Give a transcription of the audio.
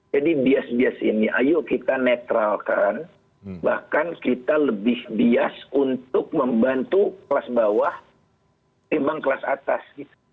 jadi bias bias ini ayo kita netralkan bahkan kita lebih bias untuk membantu kelas bawah dibanding kelas atas